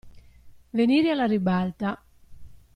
Venire alla ribalta.